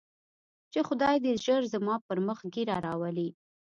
چې خداى دې ژر زما پر مخ ږيره راولي.